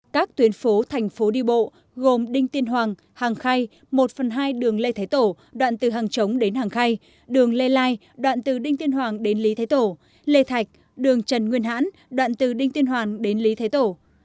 các tuyến phố thành phố đi bộ gồm đinh tiên hoàng hàng khay một phần hai đường lê thế tổ đoạn từ hàng chống đến hàng khay đường lê lai đoạn từ đinh tiên hoàng đến lý thái tổ lê thạch đường trần nguyên hãn đoạn từ đinh tiên hoàng đến lý thái tổ